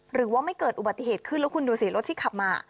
หรือว่าไม่เกิดอุบัติเหตุขึ้นแล้วคุณดูสิรถที่ขับมา